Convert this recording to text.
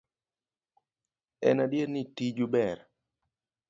En adier ni tiju ber.